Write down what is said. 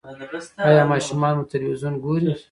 ایا ماشومان مو تلویزیون ګوري؟